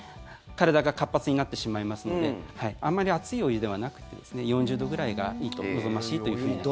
体が活発になってしまいますのであんまり熱いお湯ではなくて４０度ぐらいがいいと望ましいというふうに思います。